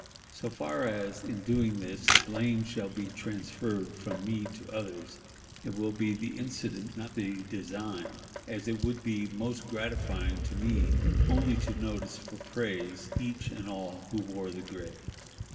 So far as, in doing this, blame shall be transferred from me to others, it will be the incident, not the design, as it would be most gratifying to me only to notice for praise each and all who wore the gray.